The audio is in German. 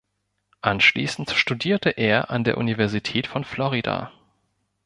Anschließend studierte er an der Universität von Florida.